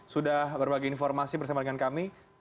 sudah berbagi informasi bersama dengan kami